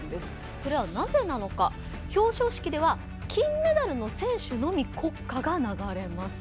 それはなぜなのか表彰式では金メダルの選手のみ国歌が流れます。